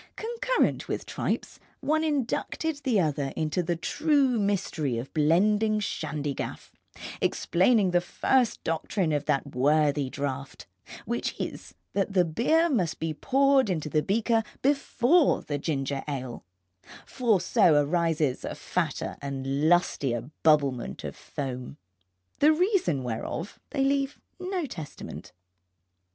Concurrent with the tripes, one inducted the other into the true mystery of blending shandygaff, explaining the first doctrine of that worthy draught, which is that the beer must be poured into the beaker before the ginger ale, for so arises a fatter and lustier bubblement of foam. The reason whereof they leave no testament.